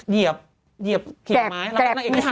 เยี่ยบเขียนไม้แล้วนางเอกน่ะพายอยากไป